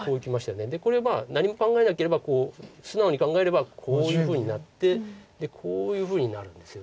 これまあ何も考えなければ素直に考えればこういうふうになってこういうふうになるんですよね。